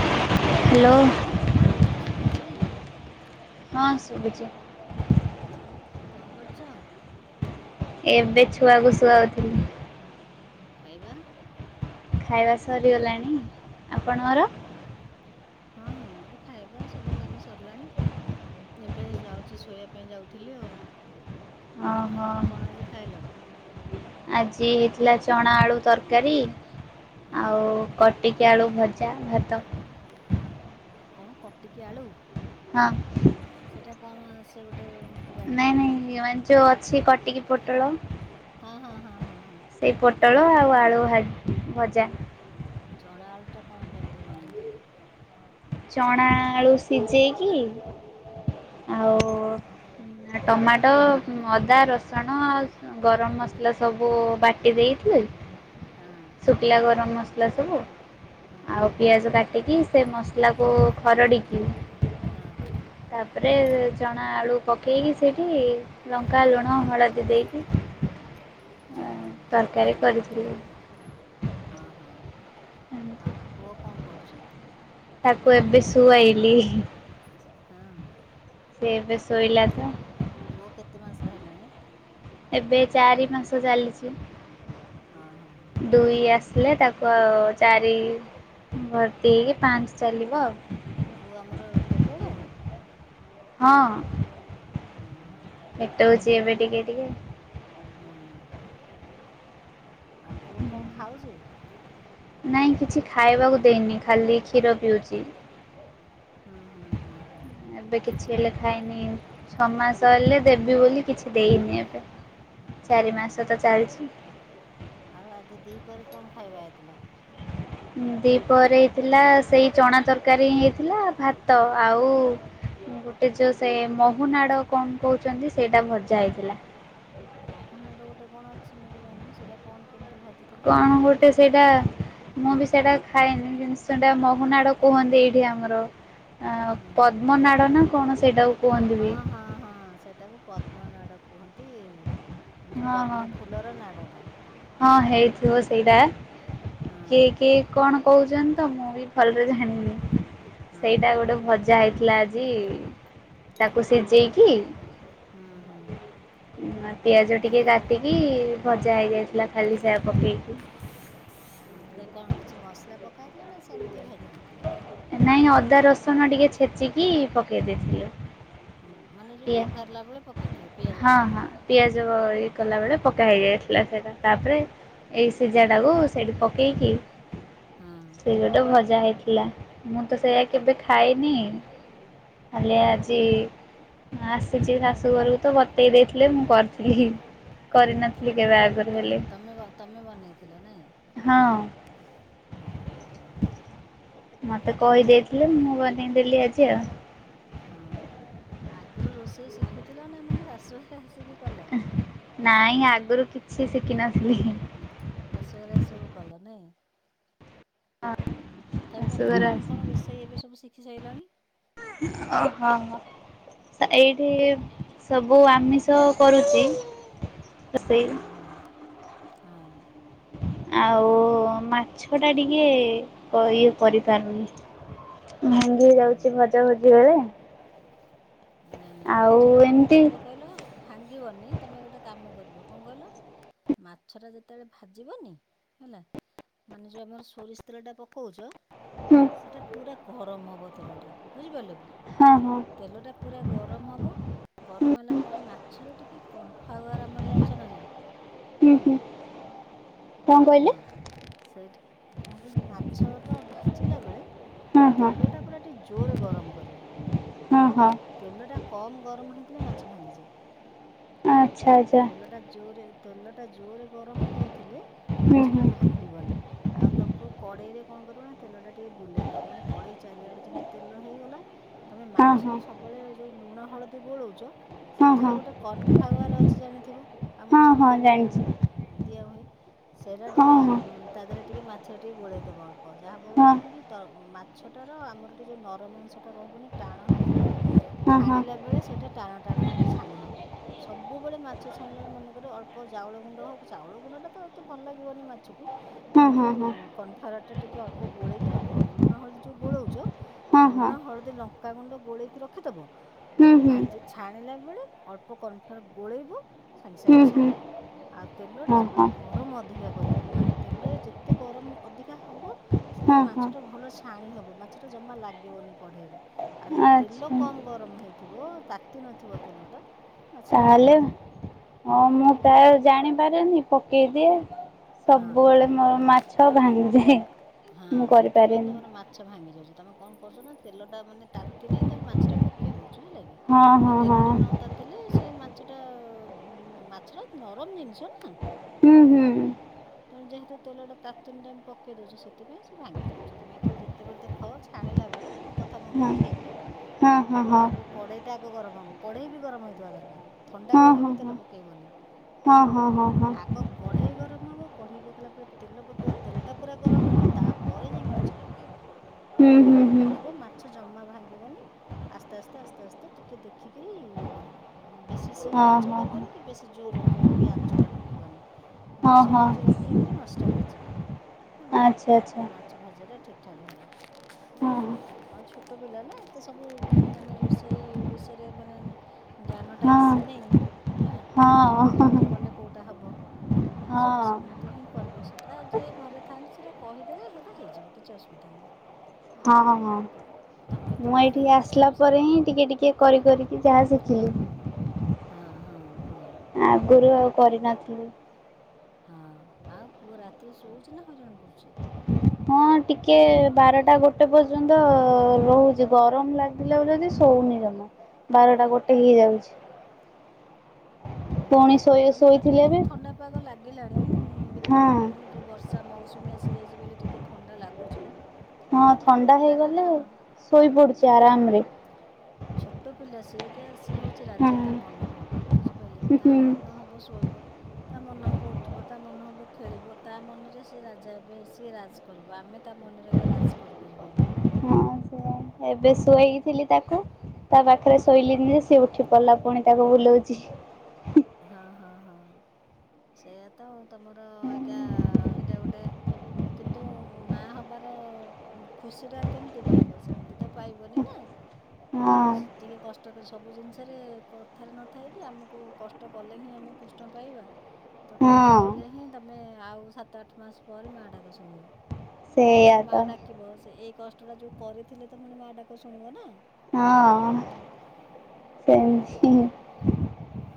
Hello ହଁ, ଶୁଭୁଛି। ହଁ, ଶୁଭୁଛି। ଆଉ କଣ କରୁଛ? ଏବେ ଛୁଆକୁ ଶୁଆ ଉଥିଲି। ଖାଇବା ଖାଇବା ସରିଗଲାଣି ଆପଣଙ୍କର? ହଁ, ହଁ ମୋର ଖାଇବା ପିଇବା ସବୁ କାମ ସରିଲାଣି। ଏବେ ଯାଉଛି ଶୋଇବା ପାଇଁ ଯାଉଥିଲି ଆଉ ଅ ହ। ଆଜି ହେଇଥିଲା ଚଣା ଆଳୁ ତରକାରୀ। ଆଉ କଟିକି ଆଳୁ ଭଜା ଭାତ। ଆଉ କଣ କଟିକି ଆଳୁ। ହଁ। ସେଇଟା କଣ ଆସେ ଗୋଟେ ଜାଣନି ହଁ ହଁ ହଁ ହଁ ହଁ। ସେଇ ପୋଟଳ ଆଉ ଆଳୁ ଭା ଭଜା। ଆ ଚଣା ଆଳୁ ଟା କଣ କେମିତି ବନେଇଥିଲ? ଚଣା ଆଳୁ ସିଝେଇକି ଆଉ ଟମା ଟୋ ଅଦା ରସୁଣ ଆଉ ଗରମ ମସଲା ସବୁ ବାଟି ଦେଇଥିଲେ ଶୁଖିଲା ଗରମ ମସଲା ସବୁ ଆଉ ପିଆଜ କାଟିକି ସେ ମସ ଲାକୁ ଖରଡ଼ିକି ତାପରେ ଚଣା ଆଳୁ ପକେଇକି ସେଇଠି ଲଙ୍କା ଲୁଣ ହଳଦୀ ଦେଇକି ତରକାରୀ କରିଥିଲି। ଅଁ ହଁ। ଆଉ ପୁଅ କଣ କରୁଚି? ତାକୁ ଏବେ ଶୁଆଇଲି। ହଁ ଆଉ ପୁଅ କେତେ ମାସରେ ହେଲାଣି? ଏବେ ଚାରି ମାସ ଚାଲିଚି। ଦୁଇ ଆସିଲେ ତାକୁ ଚାରି ଭର୍ତ୍ତି ହେଇକି ପାଞ୍ଚ ଚାଲିବ ଆଉ। ପୁଅ ଆମର ପେଟେଇଲାଣି? ହଁ। ଅଁ ହୁଁ। ପେଟୋଉଚି ଏବେ ଟିକେ ଟିକେ। ହୁଁ। ଆଉ ପୁଅ କଣ ଖାଉଚି? ନାଇଁ କିଛି ଖାଇବାକୁ ଦେଇନି ଖାଲି କ୍ଷୀର ପିଉଚି। ହୁଁ ହୁଁ ହୁଁ ହୁଁ ହୁଁ। ଏବେ କିଛି ହେଲେ ଖାଇନି ଛଅ ମାସ ହେଲେ ଦେବି ବୋଲି କିଛି ଦେଇନି ଏବେ ଚାରି ମାସ ତ ଚାଲିଛି। ଆଉ ଆଜି ଦି ପରେ କଣ ଖାଇବା ହେଇଥିଲା? ଦି ପରେ ହେଇଥିଲା ସେଇ ଚଣା ତରକାରୀ ହେଇଥିଲା ଭାତ ଆଉ ଗୋଟେ ଯୋଉ ସେ ମହୁନାଡ଼ କଣ କହୁଚନ୍ତି ସେଇଟା ଭଜା ହେଇଥିଲା। ମହୁନାଟା ଗୋଟେ କଣ ଅଛି ମୁଁ ତ ଜାଣିନି ସେଇଟା କଣ କେମିତି ଭାଜି କଣ ଗୋଟେ ସେଇଟା ମୁଁ ବି ସେଇଟା ଖାଏନି। କିନ୍ତୁ ସେଟା ମହୁ ନାଡ କୁହନ୍ତି ଏଇଠି ଆମର ଅ ପଦ୍ମନାଡ଼ ନା କଣ ସେଇଟାକୁ କୁହନ୍ତି ବି। ହଁ ହଁ ସେଟାକୁ ପଦ୍ମନାଡ଼ କୁହନ୍ତି। ହଁ ହଁ ହଁ ହେଇଥିବ ସେଇଟା। କିଏ କଏ କଣ କହୁଚନ୍ତି ତ ମୁଁ ବି ଭଲରେ ଜାଣିନି ସେଇଟା ଗୋଟେ ଭଯା ଯା ହେଇଥିଲା ଆଜି ତାକୁ ସିଝେଇକି ହୁଁ ହୁଁ। ପିଆଜ ଟିକେ କାଟିକି ଭଜା ହେଇଯାଇଥିଲା ଖାଲି ସେଆ ପକେଇକି। ମତରେ କଣ କିଛି ମସଲା ପକେଇଥିଲେ ନା ସେମିତି ଭାଜି ଦେଇଥିଲେ? ନାଇଁ ଅଦା ରସୁଣ ଟିକେ ଛେଚିକି ପକେଇ ଦେଇଥିଲି। ହୁଁ ମାନେ ପିଆ ହଁ ହଁ ପିଆଜ କଲାବେଳେ ପକା ହେଇଯାଇଥିଲା ସେଇଟା ତାପରେ ଏଇ ସିଝାଟାକୁ ସେଇଠି ପକେଇକି ହଁ ଗୋଟେ ଭଜା ହେଇଥିଲା ମୁଁ ତ ସେଇଆା କେବେ ଖାଇନି ହେଲେ ଆଜି ଆସିଛି ଶାଶୁ ଘରକୁ ତ ବତେଇ ଦେଇଥିଲେ ମୁଁ କରି ଥିଲି କରିନଥିଲି କେବେ ଆଗରୁ ହେଲେ ତମେ ବନେଇଥିଲ ନାଇଁ? ହଁ। ମତେ କହିଦେଇଥିଲେ ମୁଁ ବନେଇଦେଲି ଆଜି ଆଉ। ହଁ ଆଗରୁ ରୋଷେଇ ଶିଖିଥିଲ ନା ମାନେ ଶାଶୁଘରେ ଆସିକି କଲ? ନାଇଁ ଆଗରୁ କିଛି ଶିଖିନଥିଲି। ଶାଶୁଘରେ ଆସି ସବୁ କଲ ନାହିଁ। ତଥାପି ମାନେ କଣ କଣ ରୋଷେଇ ଏବେ ସବୁ ଶିଖି ସାଇଲଣି? ହଁ ହଁ ଏଇଠି ସବୁ ଆମିଷ ଷ କରୁଛି ରୋଷେଇ। ହୁଁ। ହଁ। ଆଉ ମାଛ ଟା ଟିକେ କରି ଇଏ କରିପାରୁନି। ଭାଙ୍ଗି ଯାଉଛି ଭଜା ଭଜି ବେଳେ। ନାଇଁ ନାଇଁ ମାଛ ଟା କଣ କହିବ କହିଲ ଭାଙ୍ଗିବନି ତମେ ଗୋଟେ କାମ କରିବ କଣ କହିଲ? ମାଛଟା ଯେତେବେଳେ ଭାଜିବନି ହେଲା ମାନେ ଯୋଉ ଆମର ସୋରିଷ ତେଲଟା ପକଉଛ ସେଟା ପୁରା ଗରମ ହବ ତେଲ ଟା ବୁଝିପାରିଲ କି? ହଁ ହଁ। ତେଲଟା ପୁରା ଗରମ ହବ, ଗରମ ହେଲା ପରେ ମାଛରେ ଟିକେ କର୍ନଫ୍ଲାୱାର୍ ଆମର ଜାଣିଛ ନା ନାହିଁ? ହୁଁ ହୁଁ। ହଁ ସେଇ ମାଛ ଟା ଭାଜିଲା ବେଳେ ତେଲଟା ପୁରା ଟିକେ ଜୋରରେ ଗରମ କରିବ। ହଁ। ତେଲଟା କମ୍ ଗରମ ହେଇଥିଲେ ମାଛ ଭାଙ୍ଗିଯାଏ ହଁ ତେଲଟା ଜୋରରେ ତେଲ ଟା ଜୋରରେ ଗରମ ହେଇଥିଲେ ମାଛ ଟା ଭାଙ୍ଗିବନି। ଆଉ ତମକୁ କଡ଼େଇରେ କଣ କରିବ ନା ତେଲଟା ଟିକେ ବୁଲେଇ ଦବ ମାନେ କଡ଼େଇ ଚାରିଆଡେ ଯେମିତି ତେଲ ହେଇଗଲା ତମେ ମାଛରେ ସବୁବେଳେ ଯଉ ଲୁଣ ହଳଦୀ ଗୋଳଉଛ ସେଥିରେ ଗୋଟେ କର୍ନଫ୍ଲାୱାର ଅଛି ଜାଣିଥିବ ଆମର ସବୁ ଯେଉଁ ହଁ ହଁ ଜାଣିଛି ଦିଆହୁଏ। ସେଇଟା ଟିକେ ଆଁ ତା ଦେହରେ ଟିକେ ମା ଛରେ ଟିକିଏ ଗୋଳେଇଦେବ ଅଳ୍ପ ଯାହାଫଳରେ କଣ କି ଟ ମାଛଟାର ଆମର ଟିକେ ନରମ ଅଂଶଟା ରହିବନି। ଟାଣ ହେଇଯିବ ଛାଣିଲା ବେଳେ ସେଇଟା ଟାଣ ଟାଣ ହେଇକି ଛାଣି ହେବ। ସବୁବେଳେ ମାଛ ଛାଣିଲାବେଳେ ମନେକରିବ ଅଳ୍ପ ଚାଉଳ ଗୁଣ୍ଡ ହଉ କି ଚାଉଳ ଗୁଣ୍ଡଟା ତ ତ ଭଲ ଲାଗିବନି ମାଛକୁ କିନ୍ତୁ କର୍ଣଫ୍ଲାୱାର ଟା ଟିକେ ଅଳ୍ପ ଗୋଳେଇକି ରଖିଦବ ଲୁଣ ହଳଦୀ ଯୋଉ ଗୋଳଉଛ ଲୁଣ, ହଳଦୀ, ଲଙ୍କା ଲଙ୍କା ଗୁଣ୍ଡ ଗୋଳେଇକି ରଖିଦବ ଭାଜି ଛାଣିଲା ବେଳେ ଅଳ୍ପ କର୍ଣର୍ଫ୍ଲୋର ଗୋଳେଇବ ସାଙ୍ଗେ ସାଙ୍ଗେ ଛାଣିବ। ଆଉ ତେଲଟା ସବୁବେଳେ ଗରମ ଅଧିକା କରିବ ମା ତେଲରେ ଯେତେ ଗରମ ଅଧିକା ହେବ ସେଥିରେ ମାଛ ଟା ଭଲ ଛାଣି ହେବ ମାଛ ଟା ଜମା ଲାଗିବନି କଢ଼େଇରେ। ଆଉ ତେଲ କମ ଗରମ ହେଇଥିବ ତାତି ନଥିବ ତେଲଟା। ମାଛ ଟା ଭାଙ୍ଗି ଯାଏ। ଆଉ ଜାଣିପାରେନି ପକେଇଦିଏ। ସବୁବେଳେ ମୋର ମାଛ ଭାଙ୍ଗିଯାଏ ମୁଁ କରିପାରେନି। ମାଚ୍ଛ ଭାଙ୍ଗି ଯାଉଛି ତମେ କଣ କରୁଛ ନା ତେଲଟା ମାନେ ତାତି ନାହିଁ ତମେ ମାଛଟା ପକେଇ ଦେଉଛ ହେଲା କି। ଆଉ ତେଲଟା ନ ତା ତିଲେ ସେ ମାଛ ଟା ମାଛଟା ନରମ ଜିନିଷ ନା। ହୁଁ। ତମେ ଯେହେତୁ ତେଲ ଟା ତାତୁନି ତମେ ପକେଇ ଦଉଛ ସେଥିପାଇଁ ସେ ଭଙ୍ଗି ଯାଉଛି ତମେ ଏଥର ଯେତେବେଳେ ଥର ଛାଣିଲା ବେଳେ ମୋ କଥା ମନେ ପକେଇକି ତେଲଟାକୁ କଡ଼େଇଟା ଆଗ ଗରମ ହବ କଢେଇ ବି ଗରମ ହେଇଥିବା ଦରକାର ଥଣ୍ଡା କଢେଇ ରେ ତେଲ ପକେଇବନି। ହେଲା ହଁ ହଁ ଆଗ କଢେଇ ଗରମ ହେବ କଢେଇ ପକେଇଲା ପରେ ତେଲ ପକେଇବ ତେଲଟା ପୁରା ଗରମ ହବ ତାପରେ ଯାଇକି ମାଛ ପକେଇବ। ହେଲା ଦେଖିବ ମା ଛ ଜମା ଭାଙ୍ଗିବନି ଆସ୍ତେ ଆସ୍ତେ ଆସ୍ତେ ଆସ୍ତେ ଟିକେ ଦେଖିକରି ଇଏ କରିବ। ବେଶୀ ସିମ୍ ଆଞ୍ଚ କରିବନି କି ବେଶୀ ଜୋରରେ ବି ଆଞ୍ଚ ଟା ରଖିବନି। ହଁ -ହଁ। ରଖିକି ମାଛ ଟା ଭାଜିବ ହେଲା ମାଛ ଭଜା ଟା ଠିକ୍ ଠାକ୍ ହେବ। ମାଛ ଟା ହେଲାନା ଏତେ ସବୁ ମାନେ ରୋଷେଇ ବିଷୟରେ ମାନେ ଜ୍ଞାନ ଟା ଆସିନାହିଁ ହେଲା କଣ କେମିତି କଲେ କୋଉଟା ହବ। ସେମିତି ହିଁ କରିବ ସେଇଟା ଯିଏ ଘରେ ଥାଆନ୍ତି ସେଇଟା କହିଦେଲେ ସେଇଟା ହେଇଯିବ କିଛି ଅସୁବିଧା ନାହିଁ। ହଁ ହଁ। ମୁଁ ଏଇଠିକି ଆସିଲା ପରେ ହିଁ ଟିକେ ଟିକେ କରି କରିକି ଯାହା ଶିଖିଲି। ହଁ-ହଁ-ହଁ। [unintelligible] କରିନଥିଲି। ହଁ ଆଉ ପୁଅ ରାତିରେ ଶୋଉଛି ନା ହଇରାଣ କରୁଛି। ହଁ ଟିକେ ବାରଟା ଗୋଟେ ପର୍ଯ୍ୟନ୍ତ ରହୁଛି ଗରମ ଲାଗ ପିଲା ବ ଯଦି ଶୋଉନି ଜମା ବାରଟା ଗୋଟେ ହେଇଯାଉଛି। ହୁଁ ଏବେ ତ ଟିକେ ଟିକେ ଥଣ୍ଡା ପାଗ ଲାଗିଲାଣି ଏବେ ତ ଟିକେ ମାନେ ଯଉ ବର୍ଷା ମୌସୁମୀ ଆସିଯାଇଛି ବଲି ଟିକେ ଥଣ୍ଡା ଲାଗୁଛି। ହଁ ଥଣ୍ଡା ହେଇଗଲେ ଶୋଇ ପଡୁଛି ଆରାମ ରେ। ଛୋଟ ପିଲା ସିଏ ସିଏ ହେଉଛି ରାଜା ତା ମନର। ବୁଝିପାରିଲେକି ତା ମନ ହେବ ଶୋଇବ। ତା ମନହବ ଉଠିବ ତା ମନହବ ଖେଳିବ ତା ମନରେ ସେ ରାଜା ଏବେ ସିଏ ରାଜ। ଆମେ ତା ମନରେ ରାଜ କରିପାରିବାନି ହୁଁ। ଏବେ ଶୁଆଇଥିଲି ତାକୁ ତା ପାଖରେ ଶୋଇଲିନି ଯେ ସି ଉଠି ପିଲା ପୁଣି ତାକୁ ବୁଲଉଛି। ଜ [unintelligible] ହଁ-ହଁ-ହଁ ସେଇଆ ତ ତମର ଆକା ଏଇଟା ଗୋଟେ କିନ୍ତୁ ମା ହବାର ଖୁସିଟା କେମିତି ପାଇବ ସେମିତି ତ ପାଇବନି ନା। ଆଉ ସେତିକି କଷ୍ଟକରି ସବୁ ଜିନିଷରେ କଥାରେ ନ ଥାଏ କି ଆମକୁ କଷ୍ଟ କଲେ ହିଁ ଆମେ କୃଷ୍ଣ ପାଇବା। ତ କଷ୍ଟ କଲେ ହିଁ ତମେ ଆଉ ସାତ ଆଠ ମାସ ପରେ ମାଆ ଡାକ ଶୁଣିବ। ସେଥିରେ ମା ଡାକିବ ସେ ଏଇ କଷ୍ଟଟା ଯୋଉ କରିଥିଲେ ତ ପୁଣି ମାଆ ଡାକ ଶୁଣିବ ନା।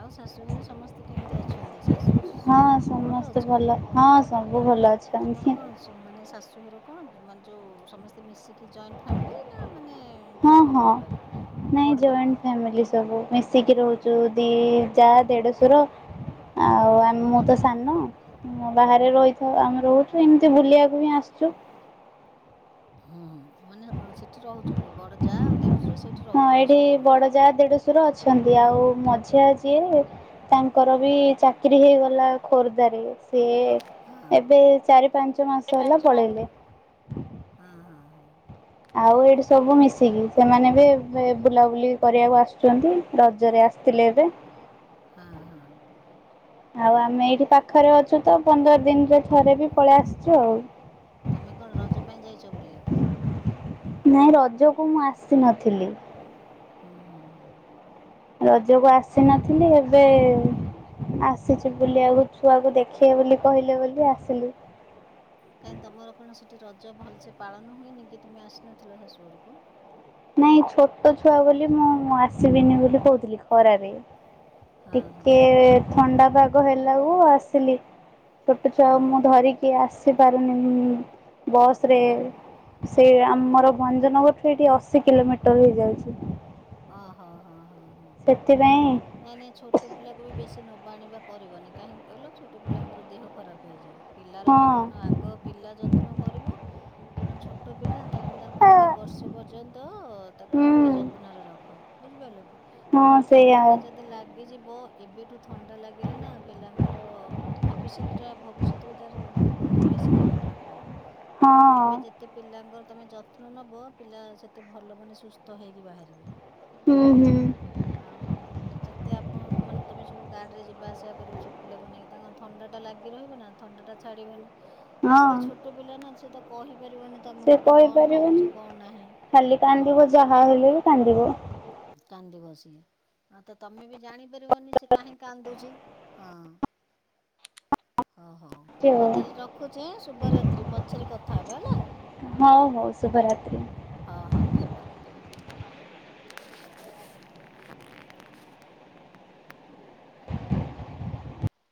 ଆଉ ଶାଶୁଘରେ ସମସ୍ତେ କେମିତି ଅଛନ୍ତି ଶାଶୁ ଶ୍ୱଶୁର ମସ୍ତେ ଭଲ ହଁ ସବୁ ଭଲ ଅଛନ୍ତି। ସୋ ମାନେ ଶାଶୁଘର କଣ ମାନେ ଯୋଉ ସମସ୍ତେ ମିଶିକି ଜଏଣ୍ଟ ଫ୍ୟାମଲି ନା ମାନେ ହଁ ନାଇଁ ଜଏଣ୍ଟ ଫ୍ୟାମିଲି। ସବୁ ମିଶିକି ରହୁଛୁ ଦି ଯା ଦେଢଶୁର ଆଉ ଆମ ମୁଁ ତ ସାନ ବାହାରେ ରହିଥାଉ ଆମେ ରହୁଛୁ ଏମତି ବୁଲିଆକୁ ବି ଆସଛୁ। ହଁ ହଁ ମାନେ ସେଠି ରହୁଛନ୍ତି ବଡ ଯା ଆଉ ଦେଢଶୁର ସେଇ ହଁ ଏଠି ବଡ ଯା ଦେଢଶୁର ଅଛନ୍ତି ଆଉ ମଝିଆ ଯିଏ ତାଙ୍କର ବି ଚାକିରୀ ହେଇଗଲା ଖୋର୍ଦ୍ଧାରେ ସେ ଏବେ ଚାରି ପାଞ୍ଚ ମାସ ହଁ ହଁ ହଁ। ଆଉ ଏଇଠି ସବୁ ମିଶିକି ସେମାନେ ଏବେ ବେ ବୁଲାବୁଲି କରିଆକୁ ଆସୁଛନ୍ତି ରଜରେ ଆସିଥିଲେ ଏବେ। ହଁ ହଁ। ଆଉ ଆମେ ଏଇଠି ପାଖରେ ଅଛୁ ତ ପନ୍ଦର ଦିନରେ ଥରେ ବି ପଳେଇ ଆସଛୁ ଆଉ। ତମେ କଣ ରଜ ପାଇଁ ଯାଇଛ ବୁଲିବାକୁ? ନାଇଁ ରଜକୁ ମୁଁ ଆସି ନଥିଲି। ହଁ ହଁ। ରଜକୁ ଆସି ନଥିଲି ଏବେ ଆସିଛି ବୁଲିବାକୁ ଛୁଆକୁ ଦେଖିବେ ବୋଲି କହିଲେ ବୋଲି ଆସିଲି। କାଇଁ ତମର କଣ ସେଠି ରଜ ଭଲସେ ପାଳନ ହୁଏନି କି ତମେ ଆସିନଥିଲ ଶାଶୁ ଘରକୁ? ନାଇଁ ଛୋଟ ଛୁଆ ବୋଲି ମୁଁ ଆସିବିନି ବୋଲି କହୁଥିଲି ଖରାରେ। ଟିକେ ଥଣ୍ଡା ପାଗ ହେଲାକୁ ଆସିଲି। ଛୋଟ ଛୁଆ ମୁଁ ଧରିକି ଆସିପାରୁନି ମ-ମ ବସରେ ସେଇଆ ଆମର ଭଞ୍ଜନଗର ଠୁ ଏଠି ଅଶୀ କିଲୋମିଟର ହେଇଯାଉଛି। ଅ ହ ହଁ ହଁ ହଁ ହଁ। ସେଥିପାଇଁ ନାଇଁ ନାଇଁ ଛୋଟ ପିଲାକୁ ବି ବେଶୀ ନବାଣିବା କରିବନି କାହିଁକି କହିଲ ଛୋଟ ପିଲାଙ୍କର ଦେହ ଖରାପ ହେଇଯାଏ। ପିଲାର ଯତ୍ନ ଆଗ ପିଲା ଯତ୍ନ କରିବ କାରଣ ଛୋଟ ପିଲା ତମେ ତାଙ୍କୁ ଆଗେ ବର୍ଷେ ପର୍ଯ୍ୟନ୍ତ ତାକୁ ଟିକେ ଯତ୍ନରେ ରଖ। ବୁଝିପାରିଲ କି କାଇଁ ନା ଥଣ୍ଡାଟା ଯଦି ଲାଗିଯିବ ଏବେଠୁ ଥଣ୍ଡା ଲାଗିଲେ ନା ପିଲାଙ୍କର ଭବିଷ୍ୟତ ଟା ଭବିଷ୍ୟତ ତୁ ତାର ବହୁତ ବେଶୀ ଦେହ ଖରାପ ହବ ତେଣୁ ଏବେ ଯେ ତେ ପିଲାଙ୍କର ତମେ ଯତ୍ନ ନବ ପିଲା ସେତେ ଭଲ ମାନେ ସୁସ୍ଥ ହେଇକି ବାହାରିବେ। ହଁ ଆଉ ଯେ ତେ ଆପଣ ମାନେ ତମେ ସବୁ ଗାଡିରେ ଯିବା ଆସିବା କରିବ ଛୋଟ ପିଲାକୁ ନେଇକି ତାଙ୍କର ଥଣ୍ଡାଟା ଲାଗି ରହିବ ନା ଥଣ୍ଡାଟା ଛାଡ଼ିବନି ଆଉ ସେ ତ ଛୋଟ ପିଲା ନା ସେ ତ କହି ପାରିବନି ତମକୁ କି କଣ ହଉଛି କଣ ନାହିଁ ହଁ। କାନ୍ଦିବ ସିଏ ଆଉ ତ ତମେ ବି ଜାଣିପାରିବନି ସେ କାହିଁ କାନ୍ଦୁଚି। ହଁ ଓ ହଉ। ହଉ ତାହେଲେ ରଖୁଚି ଆଁ ଶୁଭରାତ୍ରି ପଛରେ କଥା ହେବା ହେଲା। ହଉ। ହଉ ଶୁଭରାତ୍ରି। ହ ହ ଶୁଭରାତ୍ରି। [inaudible]